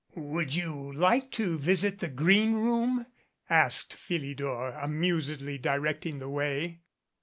"Would you like to visit the green room?" asked Phili dor, amusedly directing the way.